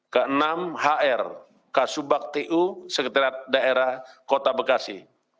ke enam hr kasubag tu sekretariat daerah kota bekasi